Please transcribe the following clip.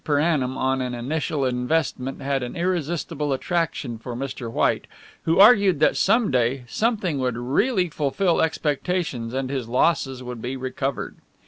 per annum on an initial investment had an irresistible attraction for Mr. White, who argued that some day something would really fulfil expectations and his losses would be recovered.